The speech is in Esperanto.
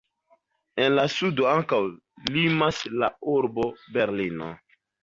En la sudo ankaŭ limas la urbo Berlino.